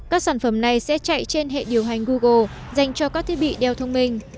các sản phẩm này sẽ chạy trên hệ điều hành google dành cho các thiết bị đeo thông minh